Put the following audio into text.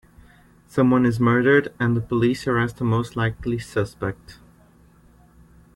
Someone is murdered, and the police arrest the most likely suspect.